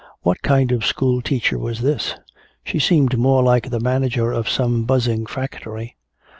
What kind of school teacher was this? She seemed more like the manager of some buzzing factory.